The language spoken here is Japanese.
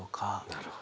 なるほど。